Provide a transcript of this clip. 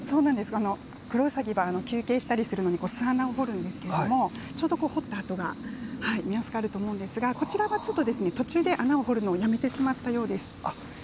クロウサギは休憩したりするのに巣穴を掘りますがちょうど掘った跡があると思うんですがこちらはちょっと途中で穴を掘るのをやめたようですね。